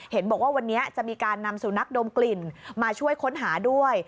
เห็นบอกว่าวันนี้จะมีการนำสุนัขดมกลิ่นมาช่วยค้นหาด้วย